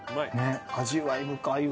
味わい深いわ。